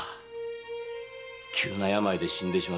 急な病で死んでしまった。